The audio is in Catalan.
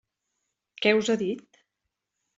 Què us ha dit?